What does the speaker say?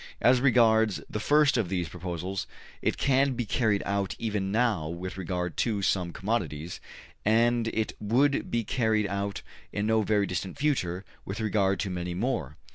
As regards the first of these proposals, it can be carried out even now with regard to some commodities, and it could be carried out in no very distant future with regard to many more.